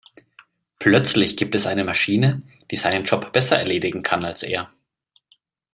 Plötzlich gibt es eine Maschine, die seinen Job besser erledigen kann als er.